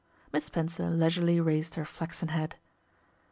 Miss Spencer leisurely raised her flaxen head.